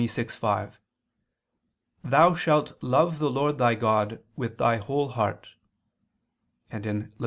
6:5): "Thou shalt love the Lord thy God with thy whole heart," and (Lev.